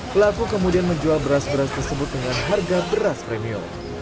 pelaku kemudian menjual beras beras tersebut dengan harga beras premium